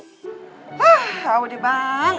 ini bakal menuju rumah gedong